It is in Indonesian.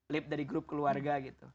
lip dari grup keluarga gitu